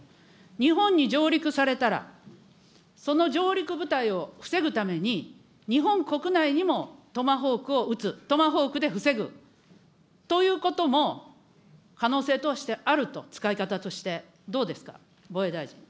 日本に上陸されたら、その上陸部隊を防ぐために、日本国内にもトマホークを撃つ、トマホークで防ぐということも、可能性としてあると、使い方として、どうですか、防衛大臣。